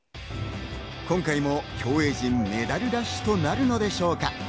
今回も競泳陣メダルラッシュとなるのでしょうか。